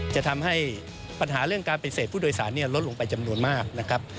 จะทำให้ปัญหาเรื่องการปฏิเสธผู้โดยสารลดลงไปจำนวนมากนะครับ